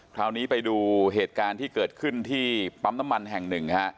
คราวนี้ไปดูเหตุการณ์ที่เกิดขึ้นที่ปั๊มน้ำมันแห่งหนึ่งฮะ